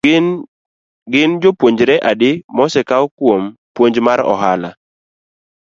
Gin jopuonjre adi mosekau kuom puonj mar ohala?